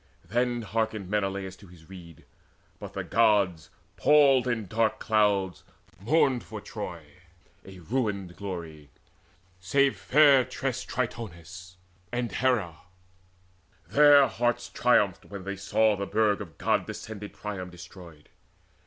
Then hearkened Menelaus to his rede. But the Gods, palled in dark clouds, mourned for Troy, A ruined glory save fair tressed Tritonis And Hera: their hearts triumphed, when they saw The burg of god descended Priam destroyed.